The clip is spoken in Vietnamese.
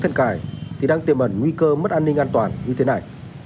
những hầm cải thì đang tiềm ẩn nguy cơ mất an ninh an toàn như thế này